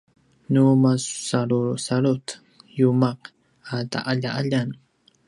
nu masalusalut yuma’ a ta’alja’aljan